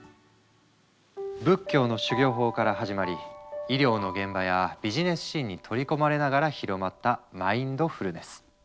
仏教の修行法から始まり医療の現場やビジネスシーンに取り込まれながら広まったマインドフルネス。